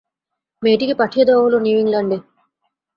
মেয়েটিকে পাঠিয়ে দেওয়া হল নিউ ইংল্যাণ্ডে।